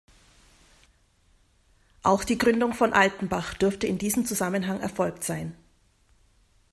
Auch die Gründung von Altenbach dürfte in diesem Zusammenhang erfolgt sein.